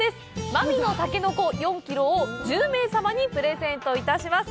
「まびのたけのこ」を１０名様にプレゼントいたします。